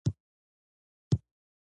ځینې نور به د خیانت په تور اعدام کېدل.